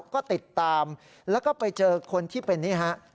ก็ติดตามแล้วก็ไปเจอคนที่เป็นนี่ฮะ